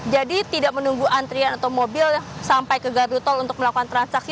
jadi tidak menunggu antrian atau mobil sampai ke gardu tol untuk melakukan transaksi